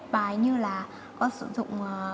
bài như là con sử dụng